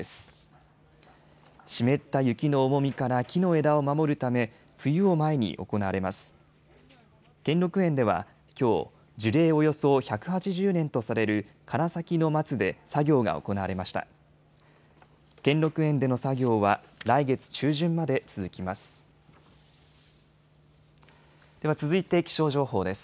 兼六園での作業は来月中旬まで続きます。